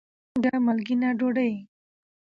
مالګه : مالګېنه ډوډۍ